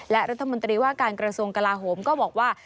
และรัฐมนตรีว่าการกระทรวงกลาโหมก็บอกว่า